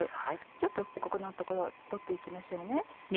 ちょっとここの所取っていきましょう。